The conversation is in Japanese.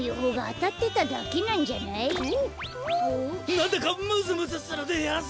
なんだかむずむずするでやんす。